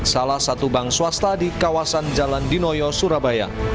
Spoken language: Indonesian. salah satu bank swasta di kawasan jalan dinoyo surabaya